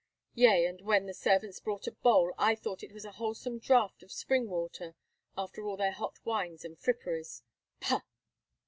Yea, and when the servants brought a bowl, I thought it was a wholesome draught of spring water after all their hot wines and fripperies. Pah!"